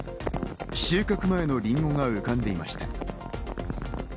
収穫前のりんごが浮かんでいました。